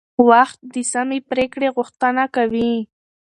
وخت د سمې پریکړې غوښتنه کوي